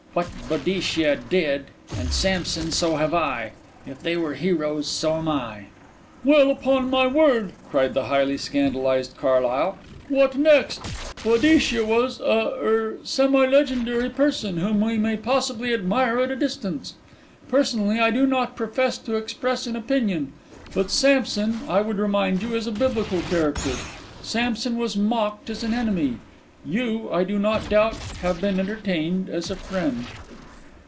What Boadicea did and and Samson, so have I. If they were heroes, so am I." "Well, upon my word!" cried the highly scandalized Carlyle, "what next! Boadicea was a er semi legendary person, whom we may possibly admire at a distance. Personally, I do not profess to express an opinion. But Samson, I would remind you, is a Biblical character. Samson was mocked as an enemy. You, I do not doubt, have been entertained as a friend."